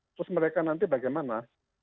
terus mereka nanti bagaimana